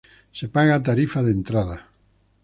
Se paga tarifa de entrada.